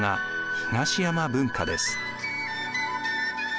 東山文化です。